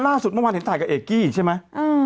เมื่อวานเห็นถ่ายกับเอกกี้ใช่ไหม